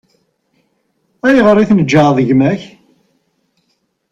Ayɣer i tneǧǧɛeḍ gma-k?